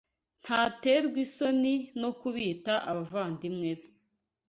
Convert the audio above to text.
Ntaterwa isoni no kubita abavandimwe be